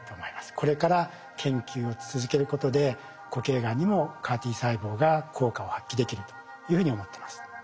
これから研究を続けることで固形がんにもＣＡＲ−Ｔ細胞が効果を発揮できるというふうに思ってます。